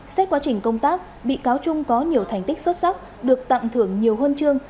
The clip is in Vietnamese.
xét quá trình công tác bị cáo trung có nhiều thành tích xuất sắc được tặng thưởng nhiều huân chương